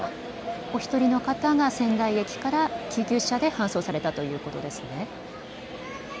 お一人の方が仙台駅から救急車で搬送されたということですね。